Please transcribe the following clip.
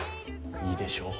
いいでしょう！